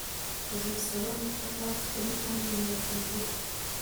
azisaba gufata yonatani na bagenzi be